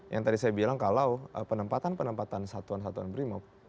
yang tadi saya bilang kalau penempatan penempatan satuan satuan brimob